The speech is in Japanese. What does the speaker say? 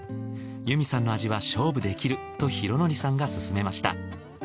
由実さんの味は勝負できると寛紀さんがすすめました。